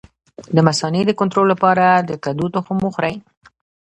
د مثانې د کنټرول لپاره د کدو تخم وخورئ